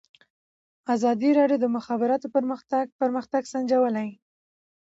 ازادي راډیو د د مخابراتو پرمختګ پرمختګ سنجولی.